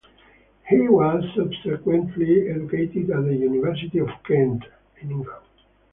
He was subsequently educated at the University of Kent in England.